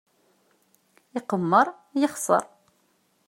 Iqemmer, yexser.